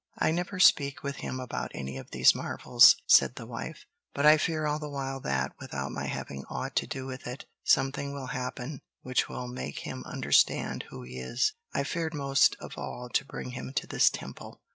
"I never speak with him about any of these marvels," said the wife. "But I fear all the while that, without my having aught to do with it, something will happen which will make him understand who he is. I feared most of all to bring him to this Temple."